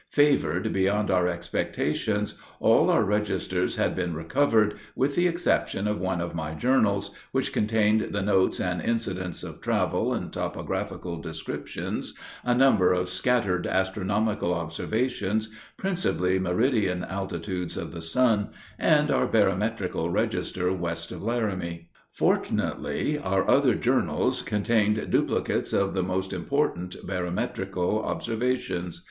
Favored beyond our expectations, all our registers had been recovered, with the exception of one of my journals, which contained the notes and incidents of travel, and topographical descriptions, a number of scattered astronomical observations, principally meridian altitudes of the sun, and our barometrical register west of Laramie. Fortunately, our other journals contained duplicates of the most important barometrical observations.